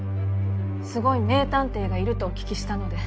すごい名探偵がいるとお聞きしたので。